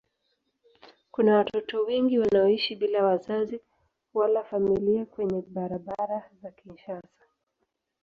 Kuna watoto wengi wanaoishi bila wazazi wala familia kwenye barabara za Kinshasa.